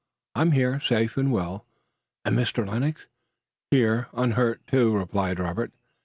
"I'm here, safe and well." "And Mr. Lennox?" "Here, unhurt, too," replied Robert.